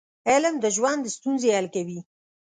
علم د ژوند ستونزې حل کوي.